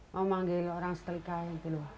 mau manggil orang setelik saya